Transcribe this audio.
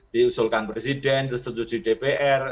diusulkan presiden setuju dpr